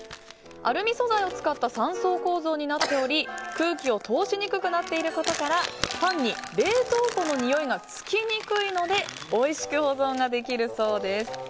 アルミ素材を使った３層構造になっており空気を通しにくくなっていることからパンに冷凍庫のにおいが付きにくいのでおいしく保存ができるそうです。